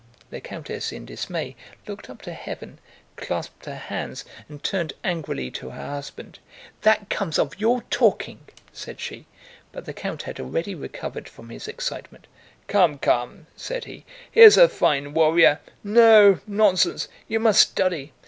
The countess, in dismay, looked up to heaven, clasped her hands, and turned angrily to her husband. "That comes of your talking!" said she. But the count had already recovered from his excitement. "Come, come!" said he. "Here's a fine warrior! No! Nonsense! You must study."